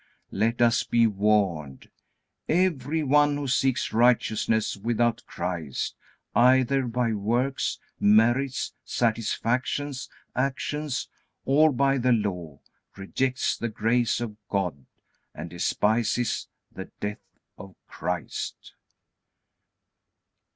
Let us be warned. Everyone who seeks righteousness without Christ, either by works, merits, satisfactions, actions, or by the Law, rejects the grace of God, and despises the death of Christ.